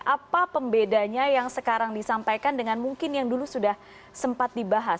apa pembedanya yang sekarang disampaikan dengan mungkin yang dulu sudah sempat dibahas